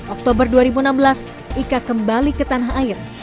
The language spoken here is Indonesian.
oktober dua ribu enam belas ika kembali ke tanah air